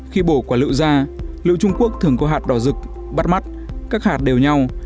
khi bổ quả lựu ra liệu trung quốc thường có hạt đỏ rực bắt mắt các hạt đều nhau